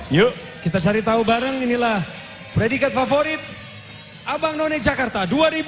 yuk kita cari tahu bareng inilah predikat favorit abang none jakarta dua ribu dua puluh